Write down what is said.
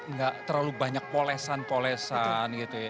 nggak terlalu banyak polesan polesan gitu ya